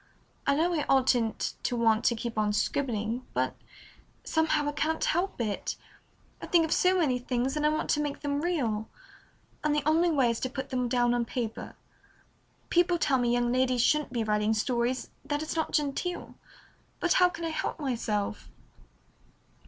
"I know I oughtn't to want to keep on scribbling, but somehow I can't help it. I think of so many things, and I want to make them real, and the only way is to put them down on paper. People tell me young ladies shouldn't be writing stories, that it's not genteel, but how can I help myself?"